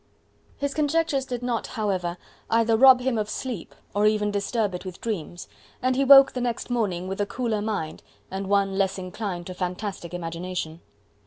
His conjectures did not, however, either rob him of sleep or even disturb it with dreams, and he woke the next morning with a cooler mind and one less inclined to fantastic imagination.